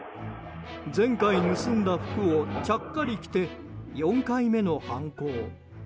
前回盗んだ服をちゃっかり着て４回目の犯行。